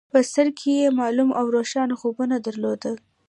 په سر کې يې معلوم او روښانه خوبونه درلودل.